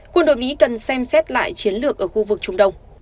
quân đội mỹ cần xem xét lại chiến lược ở khu vực trung đông